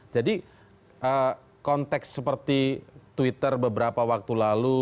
jadi konteks seperti twitter beberapa waktu lalu